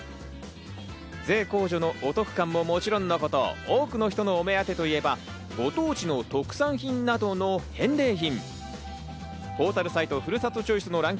税控除のお得感ももちろんのこと、多くの人のお目当てといえば、ご当地の特産品などの返礼品。